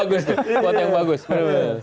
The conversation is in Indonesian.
support yang bagus tuh